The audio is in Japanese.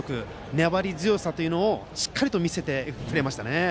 粘り強さというのをしっかり見せてくれましたね。